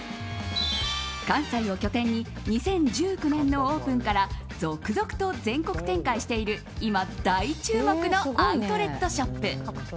関西を拠点に２０１９年のオープンから続々と全国展開している今、大注目のアウトレットショップ。